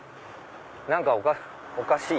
何かおかしい。